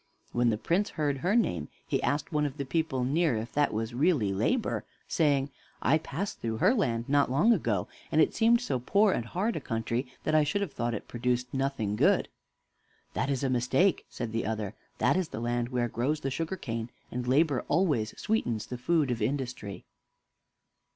When the Prince heard her name, he asked one of the people near if that was really Labor, saying, "I passed through her land not long ago, and it seemed so poor and hard a country that I should have thought it produced nothing good." "That is a mistake," said the other. "That is the land where grows the sugar cane, and Labor always sweetens the food of Industry."